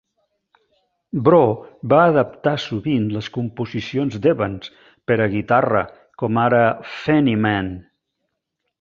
Breau va adaptar sovint les composicions d'Evans per a guitarra, com ara "Funny Man".